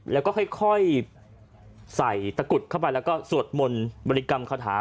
แล้วก็ค่อยใส่ตะกุดเข้าไปแล้วก็สวดมนต์บริกรรมคาถา